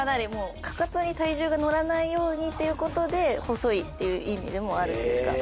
かかとに体重が乗らないようにっていうことで細いっていう意味でもあるんですが。